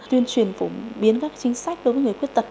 tuyên truyền phổ biến các chính sách đối với người khuyết tật